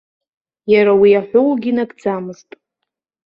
Иара уи аҳәоугьы нагӡамызт.